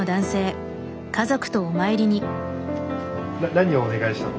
何をお願いしたの？